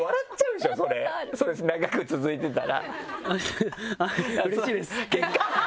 それ長く続いてたら。